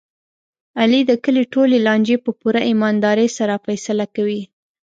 علي د کلي ټولې لانجې په پوره ایماندارۍ سره فیصله کوي.